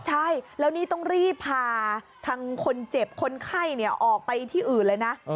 ใช่แล้วนี่ต้องรีบพาทางคนเจ็บคนไข้ออกไปที่อื่นเลยนะ